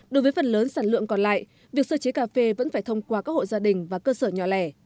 đối với phần lớn sản lượng còn lại việc sơ chế cà phê vẫn phải thông qua các hộ gia đình và cơ sở nhỏ lẻ